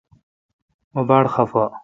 مہ باڑ خفہ۔